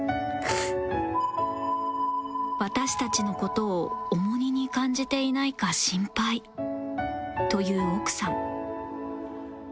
私たちの事を重荷に感じていないか心配という奥さん